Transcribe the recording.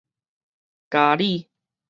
加里